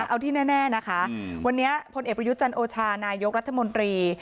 เอาที่แน่นะคะวันนี้พลเอกประยุทธ์จันโอชานายกรัฐมนตรี